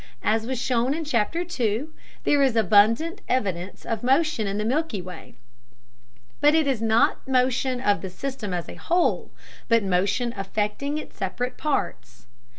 As was shown in Chapter 2, there is abundant evidence of motion in the Milky Way; but it is not motion of the system as a whole, but motion affecting its separate parts.